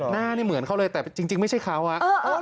หน้านี่เหมือนเขาเลยแต่จริงไม่ใช่เขาอะ